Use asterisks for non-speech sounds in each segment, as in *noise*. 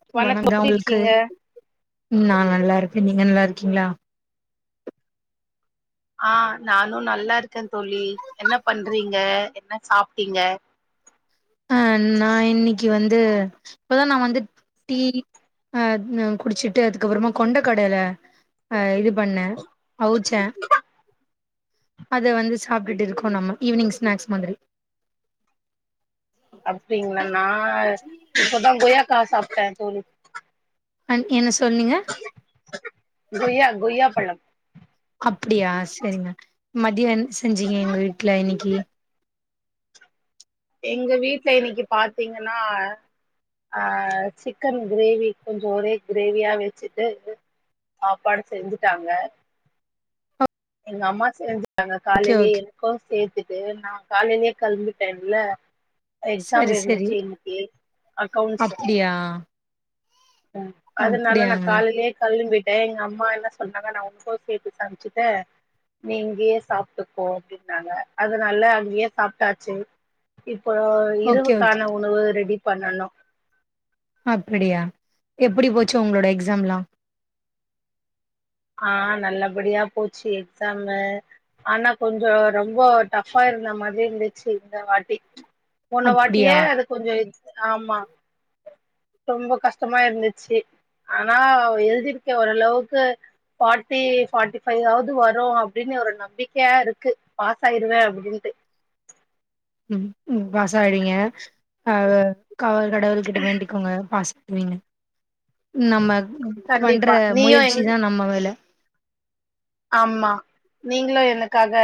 *unintelligible* வணக்கம் எப்டி உங்களுக்கு இருக்கீங்க நான் நல்லா இருக்கே நீங்க நல்லா இருக்கீங்களா அ நானும் நல்லா இருக்கே தோழி என்ன பண்றீங்க என்ன சாப்ட்டீங்க அ நா இன்னைக்கு வந்து இப்பதா நா வந்து டீ அ குடிச்சிட்டு அதுக்கப்பறமா கொண்டை கடைல அ இது பண்ணே அவுச்சே அத வந்து சாப்ட்டுட்டு இருக்கோம் நம்ம ஈவினிங் ஸ்நாக்ஸ் மாதிரி அப்டிங்களா நா இப்பதா கொய்யாக்கா சாப்ட்டேன் தோழி அ என்ன சொன்னீங்க கொய்யா கொய்யா பழம் அப்டியா சரிங்க மதியம் என்ன செஞ்சீங்க எங்க வீட்டுல இன்னைக்கு எங்க வீட்டுல இன்னைக்கு பாத்தீங்கன்னா அ சிக்கன் கிரேவி கொஞ்ச ஒரே கிரேவியா வச்சுட்டு சாப்பாடு செஞ்சுட்டாங்க எங்க அம்மா செஞ்சிட்டாங்க ஓகே காலையிலயே ஓகே எனக்கு சேத்துட்டு நா காலையிலயே கெளம்பிட்டேன்ல எக்ஸாம் சரி சரி இருந்துச்சு இன்னைக்கு அக்கௌன்ஸ் யா அதனால நா காலைலே கெளம்பிட்டேன் எங்க அம்மா என்ன சொன்னாங்க நான் ஒனக்கு சேத்து சமச்சிட்டே நீ இங்கேயே சாப்ட்டுக்கோ அப்டின்னாங்க அதுனால அங்கயே சாப்ட்டாச்சு இப்ப ஓகே ஓகே இரவுக்கான உணவு ரெடி பண்ணணு அப்டியா எப்டி போச்சு உங்களோட எக்ஸாம்லாம் அ நல்லபடியா போச்சு எக்ஸாமு ஆனா கொஞ்ச ரொம்ப டஃப்பா இருந்த மாதிரி இருந்துச்சு இந்த வாட்டி போன வாட்டியே அப்டியா அது கொஞ்ச இ ஆமா ரொம்ப கஷ்டமா இருந்துச்சு ஆனா எழுதியிருக்க ஓரளவுக்கு ஃபாட்டி ஃபாட்டி ஃபைவ் ஆவது வரும் அப்டின்னு ஒரு நம்பிக்கையா இருக்கு பாஸ் ஆயிருவேன் அப்டின்ட்டு ம் ம் பாஸ் ஆயிடுவீங்க அ கடவுள் கிட்ட வேண்டிக்கோங்க பாஸா *unintelligible* நம்ம பண்ற கண்டிப்பா நீயு எங் முயற்சி தா நம்ம வேல ஆமா நீங்களும் எனக்காக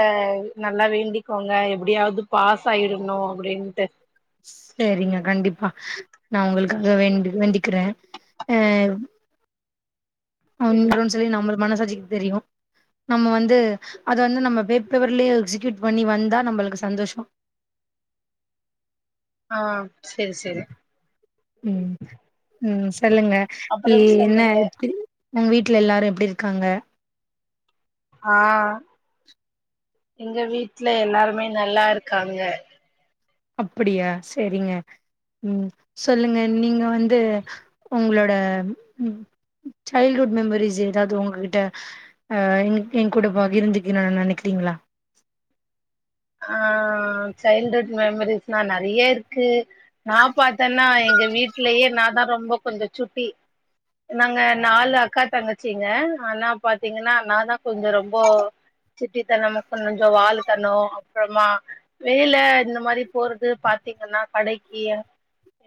நல்லா வேண்டிக்கோங்க எப்படியாவது பாஸ் ஆயிடணு அப்டின்ட்டு சேரிங்க கண்டிப்பா நா உங்களுக்காக வேண்டு வேண்டிக்கிறேன் அ வந்துரும்ன்னு சொல்லி நம்ம மனசாட்சிக்கு தெரியும் நம்ம வந்து அத வந்து நம்ம பேப்பர்லயே எக்ஸியூட் பண்ணி வந்தா நம்மளுக்கு சந்தோஷம் ஆ சேரி சேரி ம் ம் சொல்லுங்க இ அப்புறம் என்ன சொல்லுங்க உங்க வீட்ல எல்லாரு எப்டி இருக்காங்க ஆ எங்க வீட்ல எல்லாருமே நல்லா இருக்காங்க அப்படியா சேரிங்க ம் சொல்லுங்க நீங்க வந்து உங்களோட ம் சைல்ட்வுட் மெமரிஸ் ஏதாவது உங்ககிட்ட அ இன்னிக்கு எங்கூட பகிர்ந்துகுன்னும்னு நெனைக்கிறீங்களா ஆ சைல்ட்ஹுட் மெமரிஸ்னா நறைய இருக்கு நா பாத்தன்னா எங்க வீட்லயே நாதான் ரொம்ப கொஞ்ச சுட்டி நாங்க நாலு அக்கா தங்கச்சீங்க ஆனா பாத்தீங்கன்னா நாதா கொஞ்ச ரொம்போ சுட்டித்தனம் கொஞ்ச வாலுத்தனம் அப்றமா வெளில இந்த மாறி போறது பாத்தீங்கன்னா கடைக்கு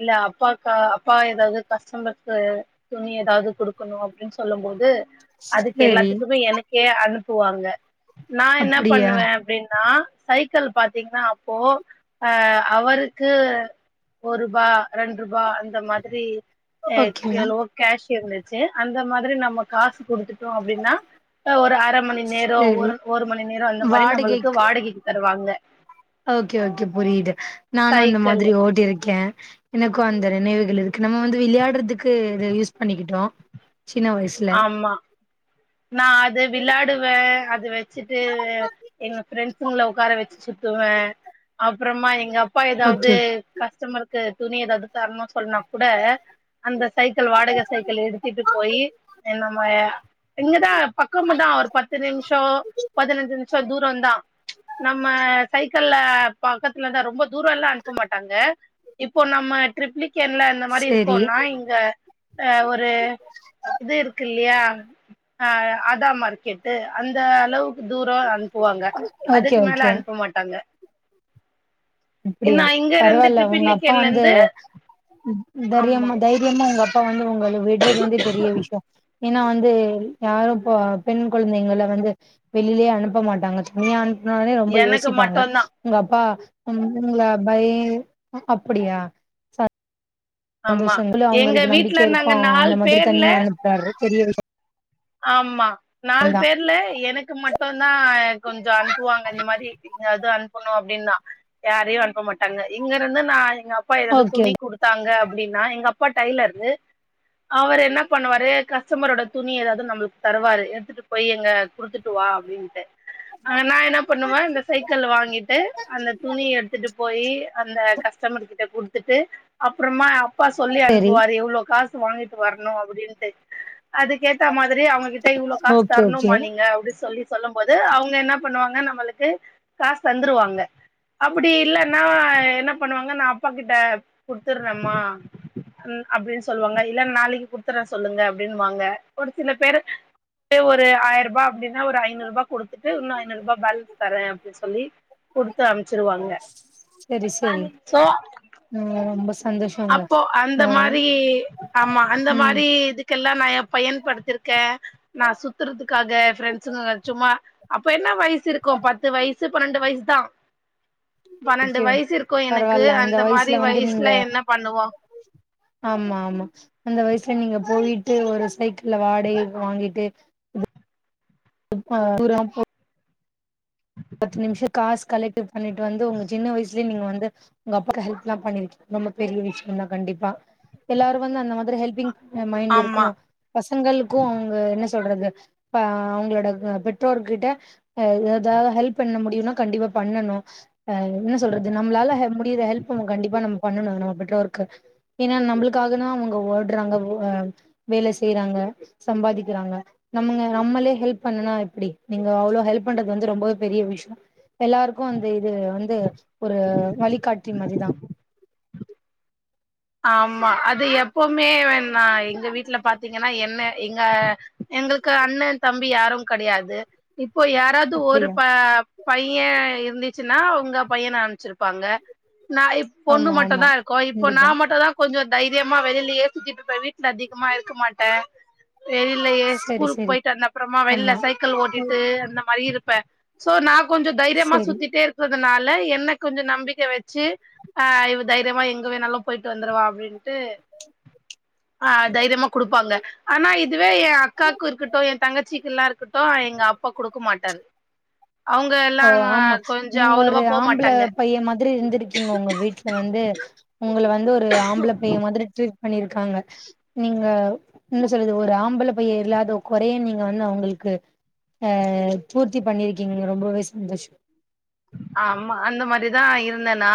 இல்ல அப்பாக்கோ அப்பா ஏதாது கஷ்டமற்க்கு துணி ஏதாவது குடுக்கணு அப்டின்னு சொல்லும் போது அதுக்கு சேரி எல்லாத்துக்குமே எனக்கே அனுப்புவாங்க நா என்னா அப்டியா பண்ணுவே அப்டின்னா சைக்கிள் பாத்தீங்கன்னா அப்போ அ ஹவர்க்கு ஒருபா ரெண்ரூபா அந்த மாதிரி அ ஓகே எவ்ளோ கேஷ் இருந்துச்சு அந்த மாதிரி நம்ம காசு குடுத்துட்டோ அப்டின்னா ஒரு அர மணி நேரம் சேரி ஒரு ஒரு மணி நேரம் அந்த மாறி நம்மளுக்கு வாடகைக்கு வாடகைக்கு தருவாங்க ஓகே ஓகே புரியுது நானு அந்த சைக்கிள் மாதிரி ஓட்டிருக்கேன் எனக்கும் அந்த நினைவுகள் இருக்கு நம்ம வந்து விளையாடுறதுக்கு இத யூஸ் பண்ணிக்கிட்டோ சின்ன வயசுல ஆமா நா அது விளாடுவேன் அது வச் சிட்டு எங்க ஃப்ரண்ட்சுகள உக்கார வச்சு சுத்துவேன் அப்றமா எங்க அப்பா ஓகே ஏதாவது ஓகே கஸ்டமர் க்கு துணி ஏதாது தரணும் சொன்னா கூட அந்த சைக்கிள் வாடக சைக்கிள் எடுத்துட்டு போயி என்னமோயா இங்கதா பக்கம்தா ஒரு பத்து நிமிஷம் பதினஞ்சு நிமிஷம் தூ ரந்தா நம்ம சைக்கிள்ல பக்கத்துல தா ரொம்ப தூரம்லாம் அனுப்ப மாட்டாங்க இப்போ நம்ம ட்ரிப்ளிகேன்ல இந்த மாறி சேரி இருக்கோம்னா இங்க அ ஒரு இது இருக்கு இல்லயா அ ஆதா மார்க்கெட்டு அந்த அளவுக்கு தூரம் அனுப்புவாங்க ஓகே அதுக்கு மேல ஓகே அனுப்ப மாட்டாங்க அப்டியா நா இங்க இருந்து பரவால்ல உங்க அப்பா ட்ரிப்ளிகேன்ல வந்து இருந்து ஆமா தரியமா தைரி ரியமா உங்க அப்பா வந்து உங்கள விட்றது வந்து பெரிய விஷயம் ஏனா வந்து யாரும் பெண் கொழந்தைங்கள வந்து வெளிலயே அனுப்ப மாட்டாங்க தனியா அனுப்புனாவே ரொம்ப எனக்கு யோசிப்பாங்க மட்டுந்தா உங்க அப்பா *unintelligible* பய் அப்படியா ஆமா சந்தோஷங்கள்ல எங்க அவங்களுக்கு நம்பிக்க வீட்ல இருக்கு நாங்க அந்த நாலு மாதிரி பேர்ல தனியா அனுப்புறாரு பெரிய விஷ ஆமா நால் பேர்ல எனக்கு மட் டும்தான் கொஞ்ச அனுப்புவாங்க இந்த மாரி அது அனுப்பணு அப்டின்னா யாரையு அனுப்ப மாட்டாங்க இங்க இருந்து நா எங்க அப்பா ஏதாவது ஓகே துணி குடுத் தாங்க அப்டின்னா எங்க அப்பா டைலரு அவர் என்ன பண்ணுவாரு கஸ்டமரோட துணி ஏதாது நம்மளுக்கு தருவாரு எடுத்துட்டு போய் எங்க குடுத்துட்டு வா அப்டின்ட்டு ஆ நா என்ன பண்ணுவேன் இந்த சைக்கிள் வாங்கிட்டு அந்த துணி எடுத்துட்டு போய் அந்த கஷ் கஷ்டம்பர் கிட்ட குடுத்துட்டு அப்றமா அப்பா சொல்லி சரி அனுப்புவாரு எவ்ளோ காசு வாங்கிட்டு வரணு அப்டின்ட்டு அதுக்கேத்த மாரி அவுங்கிட்ட கிட்ட இவ்ள காசு ஓகே ஓகே தரணுமா நீங்க அப்டி சொல்லி சொல்லும் போது அவுங்க என்ன பண்ணுவாங்க நம்ளுக்கு காசு தந்துருவாங்க அப்டி இல்லன்னா என்ன பண்ணுவாங்க நா அப்பா கிட்ட குடுத்துறம்மா அப்டின்னு சொல்லுவாங்க இல்ல நாளைக்கு குடுத்தறன் சொல்லுங்க அப்டின்னு வாங்க ஒரு சில பேரு ஒரு ஆயரூபா அப்டின்னா ஒரு ஐநூரூபா குடுத்துட்டு இன்னு ஐநூரூபா பேலன்ஸ் தரேன் அப்டின்னு சொல்லி குடுத்து அம்ச்சிருவாங்க செரி செரி ம் ரொம்ப சந்தோஷங்க அப்போ அந்த ஆ மாரி ஆமா அந்த ம் மாரி இதுக்கெல்லா நா பயன்படுத்திருக்கே நா சுத்துறதுக்காக ப்ரெண்ட்ஸுங்க சும்மா அப்ப என்ன வயசு இருக்கு பத்து வயசு பன்னெண்டு வயசு தா பன்னெண்டு ஓகே வயசு இருக்கு எனக்கு பரவால்ல அந்த மாரி வந்து நீங்க வயசுல என்ன பண்ணுவோ ஆமா ஆமா அந்த வயசுல நீங்க போயிட்டு ஒரு சைக்கிள வாடகைக்கு வாங்கிட்டு *inaudible* பத்து நிம்ஷோ காசு கலெக்ட் பண்ணிட்டு வந்து உங்க சின்ன வயசுலேயே நீங்க வந்து உங்க அப்பாக்கு ஹெப்லாம் பண்ணி இருக்கிங்க ரொம்ப பெரிய விஷ்யம் தா கண்டிப்பா எல்லாரு வந்து அந்த மாதிரி ஹெல்பிங் மைண்டு ஆமா இருக்கணு பசங்களுக்கு அவுங்க என்ன சொல்றது ப்பா அவுங்களோட பெற்றோர்க கிட்ட எ தா வது ஹெல்ப் பண்ண முடியும்னா கண்டிப்பா பண்ணனு ஆ என்ன சொல்றது நம்மளால ஹெ முடியிற ஹெல்ப் கண்டிப்பா நம்ம பண்ணணு நம்ம பெற்றோருக்கு ஏனா நம்ளுக்காக தா அவுங்க ஓடுறாங்க வேலை செய்றாங்க சம்பாதிக்கிறாங்க நம்ங்க நம்மளே ஹெல்ப் பண்ணலனா எப்டி நீங்க அவ்ளோ ஹெல்ப் பண்றது வந்து ரொம்பவே பெரிய விஷ்யோ எல்லாருக்கு அந்த இது வந்து ஒரு வழிகாட்டி மாரிதா ஆமா அது எப்போமே வேணா எங்க வீட்ல பாத்தீங்கனா என்ன எங்க எங்களுக்கு அண்ணே தம்பி யாரும் கெடையாது இப்போ யாராவது ஒரு அப்டியா பா பைய இருந்துச்சின்னா அவுங்க பையன அமுச்சிருப்பாங்க நா இப் பொண்ணு ஆமா ஆமா மட்டுந்தா இருக்கோ இப்போ நா கண்டிப்பா மட் டு தா கொஞ்சோ தைரியமா வெளியிலயே சுத்திட்டு இருப்பே வீட்ல அதிகமா இருக்க மாட்டே வெளியிலேயே செரி ஸ்கூலுக்கு செரி போயிட்டு வந்த அப்புறமா வெளியில ஆமா சைக்கிள் ஓட்டிட்டு அந்த மாரி இருப்பே சோ நா கொஞ்ச தைரியமா செரி சுத்திட்டே இரு ப்பதுனால என்ன கொஞ்சோ நம்பிக்க வச்சு ஆ இவ தைரியமா எங்க வேணாலு போயிட்டு வந்தறவா அப்டின்ட்டு ஆ தைரியமா குடுப்பாங்க ஆனா இதுவே ஏ அக்காக்கு இருக்கட்டு ஏ தங்கச்சிக்குலா இருக்கட்டு எங்க அப்பா குடுக்க மாட்டாரு அவங்க எல்லா ஓ ஆமா கொஞ்சோ நீங்க ஒரு அவ்ளவா போ ஆம்பள மாட்டாங்க பைய மாதிரி இருந்திருக்கீங்க உங்க வீட் ல வந்து உங்கள வந்து ஒரு ஆம்பள பைய மாரி ட்ரீட் பண்ணிருக்காங்க நீங்க என்ன சொல்லுறது ஒரு ஆம்பள பைய இல்லாத குறைய நீங்க வந்து அவுங்களுக்கு ஆ பூர்த்தி பண்ணிருக்கீங்க ரொம்பவே சந்தோஷோ ஆமா அந்த மாரிதா இருந்த நா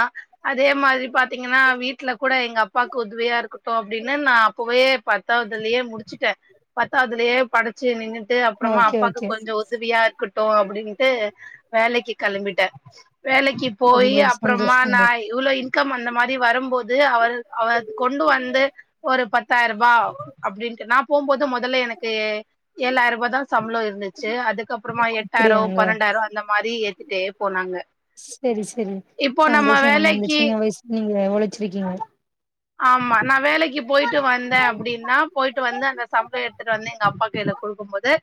அதே மாதிரி பாத்தீங்கன்னா வீட்ல கூட எங்க அப்பாவுக்கு உதவியா இருக்கட்டு அப்டின்னு நா அப்போவே பாத் தாவதுலயே முடிச்சிட்டே பத்தாவதுலேயே படு ச்சு நின்னுட்டு அப்றமா ஓகே அப்பாக்கு ஓகே கொஞ்சோ உதவியா இருக்கட்டு அப்டின்ட்டு வேலைக்கு கெளம்பி ட்டே வேலைக்கி போயி ரொம்ப அப்றமா நா சந்தோஷங்க இவ்ளோ இன்கம் அந்த மாரி வரும் போ து அவர் அவ அது கொண்டு வந்து ஒரு பத்தாயிருபா அப்டின்ட்டு நா போம்போது மொதல்ல எனுக்கு ஏலாயிரரூபாதா சம்ப்ளோ இருந்துச்சி அதுக்கு அப்றமா எட்டாயிரோ அப்டியாங்க பன்னெண்டாயிரோ அந்த மாரி ஏத்திட்டே போனாங்க செரி செரி இப்போ சந்தோஷம் நம்ம இந்த வேலைக்கு சின்ன வயசுல நீங்க எவ்ளோ ஒலச்சிருக்கீங்க ஆம்மா நா வேலைக் கு போயிட்டு வந்தே அப்டின்னா போயிட்டு வந்து அந்த சம்பளோ எடுத்துட்டு வந்து எங்க அப்பா கைல குடுக்கும்போது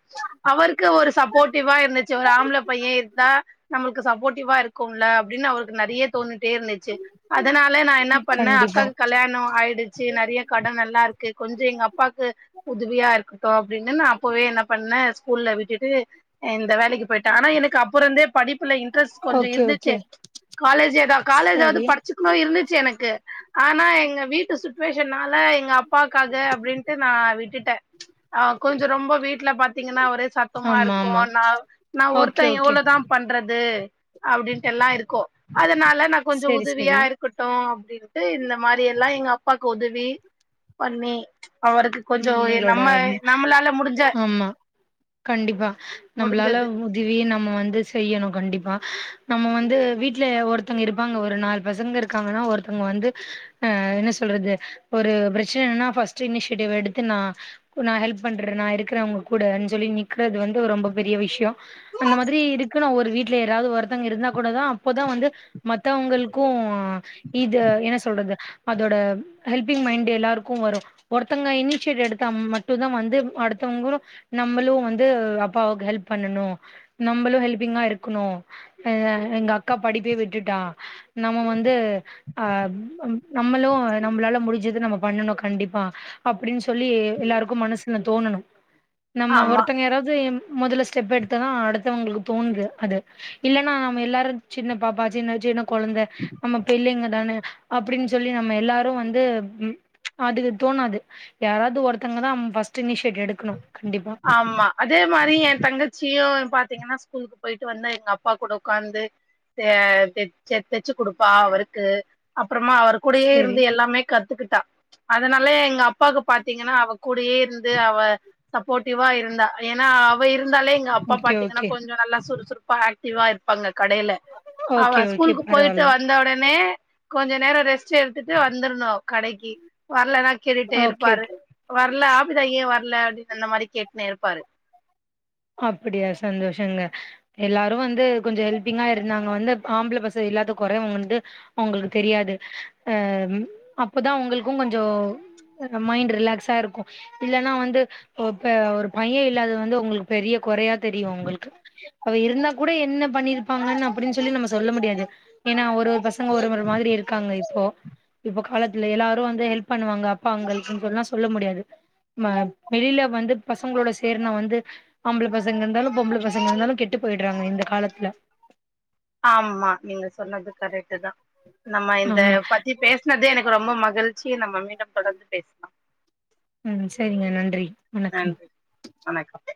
அவருக்கு ஒரு சப்போர்ட்டிவ்வா இருந்துச்சி ஒரு ஆம்ள பையே இருந்தா நம்ளுக் கு சப்போர்ட்டிவ்வா இருக்கும்ல அப்டின்னு அவருக்கு நெறைய தோணிட்டே இருந்துச்சி அதனால நா என்ன பண்ணே கண்டிப்பா அக்காக்கு கல்யாணோ ஆயிடுச்சு நெறைய கடன் எல்லா இருக்கு கொஞ்சொ எங்க அப்பாக்கு உதவியா இருக்கட்டு அப்டின்னு நா அப்பவே என்ன பண்ணே ஸ்கூல்ல விட்டுட்டு இந்த வேலைக்கு பொய்ட்டே ஆனா எனக்கு அப்பொறந்தே படிப்புல இன்ட்ரெஸ் கொஞ்சொ ஓகே இருந்துச்சு ஓகே காலேஜெதா காலேஜாது செரி படுச்சுக்குணு இருந்துச்சு எனக்கு ஆனா எங்க வீட்டு சுட்வேஷன்னால எங்க அப்பாக்காக அப்டின்ட்டு நா விட்டுட்டே ஆ கொஞ்சொ ரொம்ப வீட்ல பாத்திங்கன்னா ஒரே சத்தமா ஆமா இருக்கு ஆமா நா நா ஓகே ஒருத்தே ஓகே எவ்ளோதா பண்றது அப்டின்ட்டெல்லா இருக்கு அதனால நா கொஞ்சொ செரி உதவியா செரி ருக்கட்டு அப்டின்ட்டு இந்த மாரியெல்லா எங்க அப்பாக்கு ஒதவி பண்ணி அவருக்கு கொஞ்சொ ம் எ உங்களோட நம்ம நம்மளால முடுஞ்ச ஆமா கண்டிப்பா நம்பளால முடிஞ்சது உதவிய நம்ம வந்து செய்யணு கண்டிப்பா நம்ம வந்து வீட்ல ஒருத்தங்க இருப்பாங்க ஒரு நால் பசங்க இரு க்காங்கனா ஒருத்தங்க வந்து அ என்ன சொல்றது ஒரு பிரச்சனனா ஃபஸ்ட்டு இனிஷ் டிவ் எடுத்து நா நா ஹெல்ப் பண்ற நா இருக்குற உங்க கூடன் சொல்லி நிக்றது வந்து ஒரு ரொம்ப பெரிய விஷ்யோ அந்த மாதிரி இருக்கு நா ஒரு வீட்ல யராவ்து ஒருத்தங்க இருந்தா கொடதா அப்போதா வந்து மத்தவங்களுக்கு அ இது என்ன சொல்றது அதோட ஹெல்பிங் மைண்ட்டு எல்லாருக்கு வரு ஒருத்தங்க இன்னிஷேட் எடுத்தா மட்டுதா வந்து அடுத்தவங்ளு நம்பளு வந்து அப்பாவுக்கு ஹெல்ப் பண்ணனு நம்பளு ஹெல்பிங்கா இருக்கணு எல்ல எங்க அக்கா படிப்பே விட்டுட்டா நம்ம வந்து ஆ நம்மளு நம்பளால முடுஞ்சது நம்ம பண்ணனு கண்டிப்பா அப்டின் சொல்லி எல்லாருக்கு மனசுன தோணனு நம்ம ஆமா ஒருத்தங்க யாராவ்து மொதல்ல ஸ்டெப் எடுத்ததா அடுத்தவங்ளுக்கு தோனுது அது இல்லன்னா நம்ம எல்லாரு சின்ன பாப்பா சின்ன சின்ன கொழந்த நம்ம பிள்ளைங்கதானே அப்டின்னு சொல்லி நம்ம எல்லாரு வந்து அது தோணாது யாராவ்து ஒருத்தங்கதா ஃபர்ஸ்ட்டு இன்னிஷியேட் எடுக்கணு கண்டிப்பா ஆம்மா அதே மாரி எ தங்கச்சியு பாத்திங்கன்னா ஸ்கூலுக்கு பொயிட்டு வந்தா எங்க அப்பா கூட உக்காந்து தே தெச் செ தெச்சு குடுப்பா அவருக்கு அப்றமா அவருக் சேரி கூடயேயிருந்து எல்லாமே கத்துக்கிட்டா அதனால எங்க அப்பாக்கு பாத்திங்கன்னா அவ கூடேயே இருந்து அவ ஃபோட்டிவா இருந்தா ஏன்னா அவ இருந்தாலே எங்க அப்பா ஓகே பாத்திங்கன்னா ஓகே கொஞ்சொ நல்லா சுறுசுறு பா ஆக்டிவ்வா இருப்பாங்க கடைல ஓகே அவ ஓகே ஸ்கூலுக்கு பொயிட்டு பரவால்ல வந்த ஒடனே கொஞ்சொ நேரொ ரெஸ்ட் எடுத்துட்டு வந்துர்ணு கடக்கி வர்லன்னா கேட்டுட்டே ஓகே இருப்பாரு ஓகே வர்ல ஆபிதா ஏ வர்ல அப்டின்னு அந்த மாரி கேட்ன்னே இருப்பாரு அப்டியா சந்தோஷங்க எல்லாரு வந்து கொஞ்சொ ஹெல்பிங்கா இருந்தாங்க வந்து ஆம்பள பசங் இல்லாத கொற வந்து அவுங்ளுக்கு தெரியாது அ அப்பதா உங்ளுக்கு கொஞ்சோ இந்த மைண்ட்டு ரிலாக்ஸா இருக்கு இல்லன்னா வந்து இப்ப ஒரு பையெ இல்லாது வந்து உங்ளுக் பெரிய கொறையா தெரியு ஒங்களுக்கு அவெ இருந்தா கூட என்ன பண்ணிருப்பாங்கனு அப்டின்னு சொல்லி நம்ம சொல்ல முடியாது ஏன்னா ஒரு ஒரு பச ங்க ஒரு ஒரு மாதுரி இருக்காங்க இப்போ இப்ப காலத்துல எல்லாரு வந்து ஹெல்ப் பண்ணுவாங்க அப்பாங்கல்குன் சொன்னா சொல்ல முடியாது ம வெளில வந்து பசங்ளோட சேர்னா வந்து ஆம்பள பசங்க இருந்தாலு பொம்பள பசங்க இருந்தாலு கெட்டு போயிட்றாங்க இந்த காலத்துல ஆமா நீங்க சொன்னது கரெட்டுதா நம்ம இந்த ஆமா பத்தி பேச து எனக்கு ரொம்ப மகிழ்ச்சி நம்ம மீண்டும் தொடர்ந்து பேசலா ம் செரிங்க நன்றி வணக்கம் நன்றி வணக்கம்